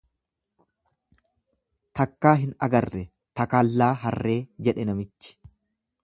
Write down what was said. Takkaa hin agarre takallaa harree jedhe namichi.